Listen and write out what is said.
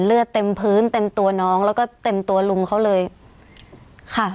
เลือดเต็มพื้นเต็มตัวน้องแล้วก็เต็มตัวลุงเขาเลยค่ะ